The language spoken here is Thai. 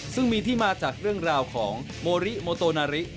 ซึ่งมีที่มาจากเรื่องราวของโมริโมโตนาริ